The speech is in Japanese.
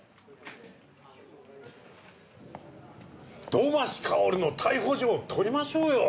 土橋かおるの逮捕状取りましょうよ！